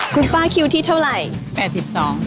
คุณป้าคิวที่เท่าไหร่๘๒บาท